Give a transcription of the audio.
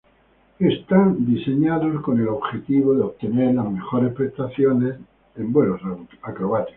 Están diseñados con el objetivo de obtener las mejores prestaciones en vuelo acrobático.